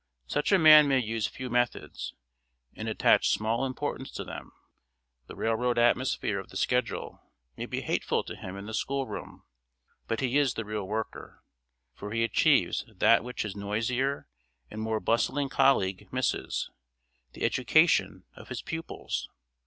Such a man may use few methods, and attach small importance to them; the railroad atmosphere of the schedule may be hateful to him in the school room; but he is the real worker, for he achieves that which his noisier and more bustling colleague misses, the education of his pupils.